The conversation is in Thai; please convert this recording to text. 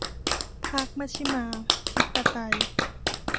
พรรคมัชฌิมาธิปไตย